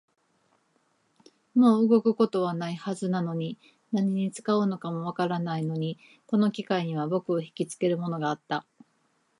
もう動くことはないはずなのに、何に使うかもわからないのに、この機械には僕をひきつけるものがあった